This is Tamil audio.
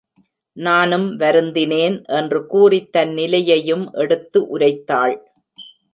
நானும் வருந்தினேன் என்று கூறித் தன் நிலையையும் எடுத்து உரைத்தாள்.